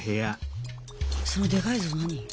そのでかい象何？